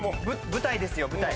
舞台ですよ舞台。